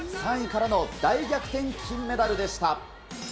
３位からの大逆転金メダルでした。